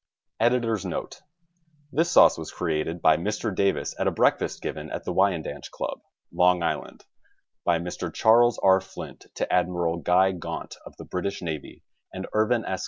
Editor's Note: — This sauce was created by Mr. Davis at a breakfast given at the Wyandanch Club, Long Island, by Mr. Charles R. Flint to Admiral Guy Gaunt of the British Navy and Irvin S.